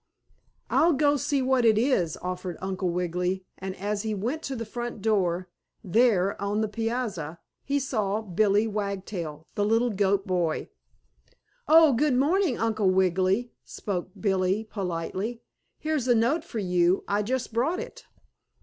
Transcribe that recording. "I'll go see what it is," offered Uncle Wiggily, and as he went to the front door there, on the piazza, he saw Billie Wagtail, the little goat boy. "Oh, good morning, Uncle Wiggily," spoke Billie, politely. "Here's a note for you. I just brought it."